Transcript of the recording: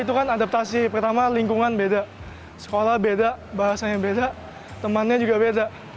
itu kan adaptasi pertama lingkungan beda sekolah beda bahasanya beda temannya juga beda